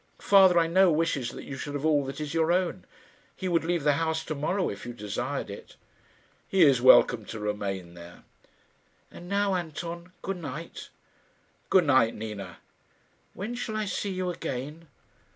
Father, I know, wishes that you should have all that is your own. He would leave the house to morrow if you desired it." "He is welcome to remain there." "And now, Anton, good night." "Good night, Nina." "When shall I see you again?"